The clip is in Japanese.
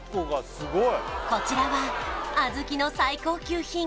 こちらは小豆の最高級品